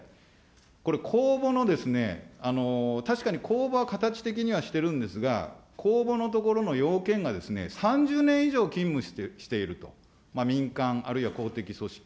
これ、公募のですね、確かに公募は形的にはしてるんですが、公募のところの要件がですね、３０年以上勤務していると、民間、あるいは公的組織。